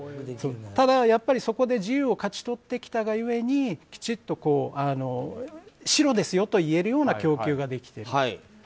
ただ、やっぱりそこで自由を勝ち取ってきたが故にきちっと白ですよと言えるような供給ができている。